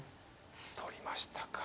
取りましたか。